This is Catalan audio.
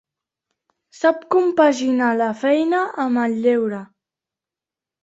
Sap compaginar la feina amb el lleure.